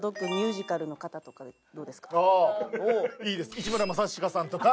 市村正親さんとか。